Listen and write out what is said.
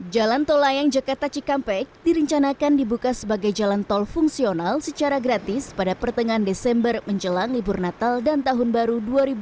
jalan tol layang jakarta cikampek direncanakan dibuka sebagai jalan tol fungsional secara gratis pada pertengahan desember menjelang libur natal dan tahun baru dua ribu dua puluh